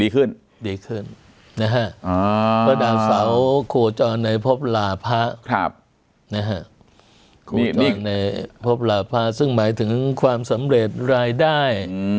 ก็ดาวเสาโขจรในพบหลาพะโขจรในพบหลาพะซึ่งหมายถึงความสำเร็จรายได้